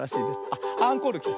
あっアンコールきた。